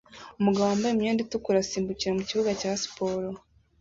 umugabo wambaye imyenda itukura asimbukira mukibuga cya siporo